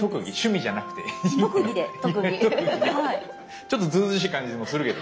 ちょっとずうずうしい感じもするけど。